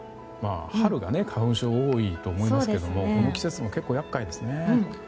春が花粉症多いと思いますけどもこの季節も結構、厄介ですね。